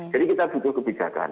jadi kita butuh kebijakan